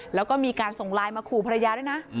แล้วก็มีการส่งไลน์มาขู่ภรรยาด้วยนะ